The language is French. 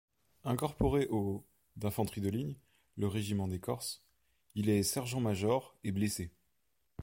Incorporé au d'infanterie de ligne, le régiment des Corses, il est sergent-major et blessé.